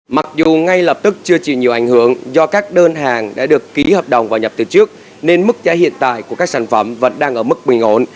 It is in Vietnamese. mặc dù ngay lập tức chưa chịu nhiều ảnh hưởng do các đơn hàng đã được ký hợp đồng và nhập từ trước nên mức giá hiện tại của các sản phẩm vẫn đang ở mức bình ổn